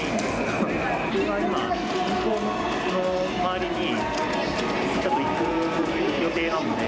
僕は今、銀行の周りにちょっと行く予定なので。